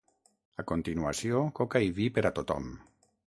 A continuació, coca i vi per a tothom.